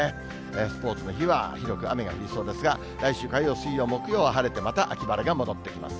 スポーツの日は広く雨が降りそうですが、来週火曜、水曜、木曜は晴れてまた秋晴れが戻ってきます。